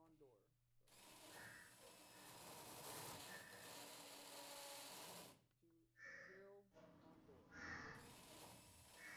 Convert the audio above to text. kwa muda wa miaka minne Wagombea wote wanahitaji kibali cha